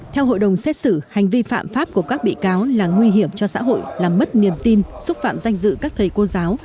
theo hội đồng xét xử hành vi phạm pháp của các bị cáo là nguy hiểm cho xã hội làm mất niềm tin xúc phạm danh dự các thầy cô giáo